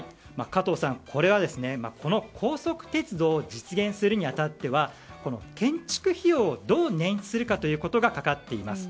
加藤さん、この高速鉄道を実現するに当たっては建築費用をどう捻出するかということがかかっています。